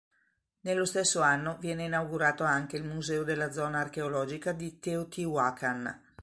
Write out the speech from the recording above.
Nello stesso anno viene inaugurato anche il museo della zona archeologica di Teotihuacan.